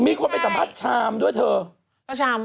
มีจานมีชาม